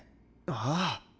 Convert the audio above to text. ああ！